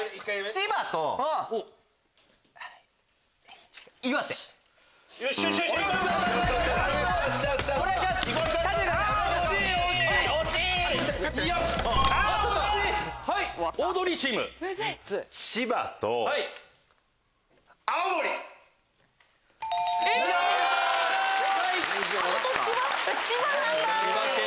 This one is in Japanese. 千葉なんだ！